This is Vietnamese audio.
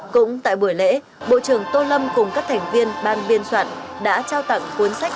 cũng tại buổi lễ bộ trưởng tô lâm cùng các thành viên ban biên soạn đã trao tặng cuốn sách